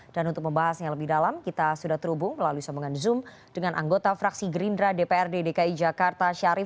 dan untuk membahas yang lebih dalam kita sudah terhubung melalui sambungan zoom dengan anggota fraksi gerindra dprd dki jakarta syarif